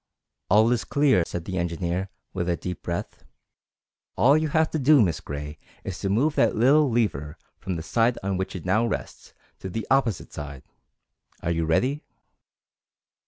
_" "All is clear," said the engineer, with a deep breath. "All you have to do, Miss Gray, is to move that little lever from the side on which it now rests to the opposite side. Are you ready?"